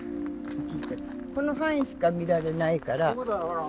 この範囲しか見られないから。